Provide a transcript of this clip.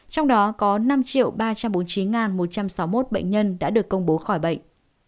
trong đó có năm ba trăm bốn mươi chín một trăm sáu mươi một bệnh nhân đã được công bố khỏi bệnh